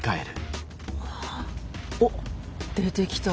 おっ出てきた。